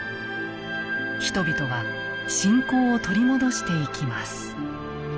人々は信仰を取り戻していきます。